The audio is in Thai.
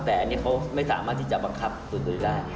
แต่อันนี้เขาไม่สามารถที่จะบังคับตัวเองได้